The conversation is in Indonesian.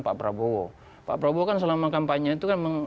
pak prabowo pak prabowo kan selama kampanye itu kan